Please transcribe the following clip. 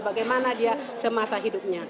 bagaimana dia semasa hidupnya